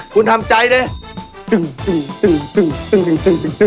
คุณทำใจนี่